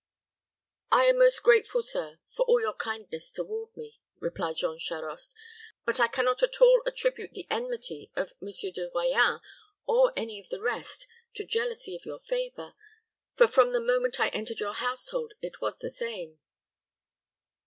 "I am most grateful, sir, for all your kindness toward me," replied Jean Charost; "but I can not at all attribute the enmity of Monsieur de Royans, or any of the rest, to jealousy of your favor, for from the moment I entered your household it was the same."